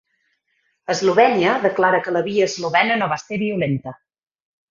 Eslovènia declara que la via eslovena no va ser violenta